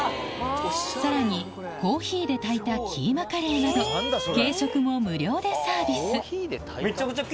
さらにコーヒーで炊いたキーマカレーなど軽食も無料でサービスめちゃくちゃ。